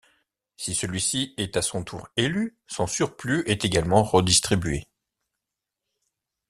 Si celui-ci est à son tour élu, son surplus est également redistribué.